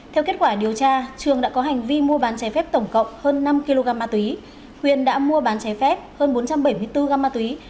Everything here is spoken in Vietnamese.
theo kết quả điều tra trường đã có hành vi mua bán trái phép tổng cộng hơn năm kg ma túy huyền đã mua bán trái phép hơn bốn trăm bảy mươi bốn g ma túy và ninh đã tảng trữ trái phép hơn một trăm tám mươi sáu g ma túy